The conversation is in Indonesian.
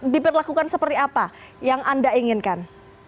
diperlakukan seperti apa yang anda inginkan